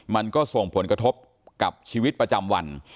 มันก็ส่งผลกระทบกับชีวิตประจำวัน